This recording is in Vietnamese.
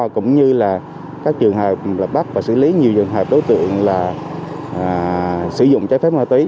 cũng như là các trường hợp bắt và xử lý nhiều trường hợp đối tượng là sử dụng trái phép ma túy